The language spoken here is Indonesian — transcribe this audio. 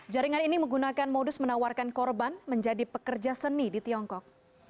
jaringan ini menggunakan modus menawarkan korban menjadi pekerja seni di tiongkok